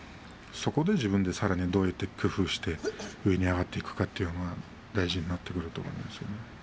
そこで自分がさらにどうやって工夫して上に上がっていくかというのが大事になってくると思うんですね。